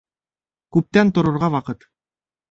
Күптән торорға ваҡыт